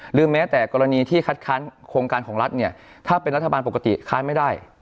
หรือแม้แต่กรณีที่คัดค้านโครงการของรัฐเนี่ยถ้าเป็นรัฐบาลปกติค้านไม่ได้